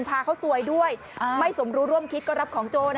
พาเขาซวยด้วยไม่สมรู้ร่วมคิดก็รับของโจร